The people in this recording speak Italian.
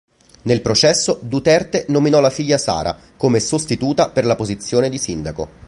Nel processo, Duterte nominò la figlia Sara come sostituta per la posizione di Sindaco.